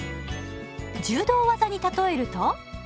柔道技に例えると？